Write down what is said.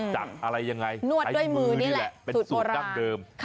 จากอะไรยังไงนวดด้วยมือนี่แหละเป็นสูตรดั้งเดิม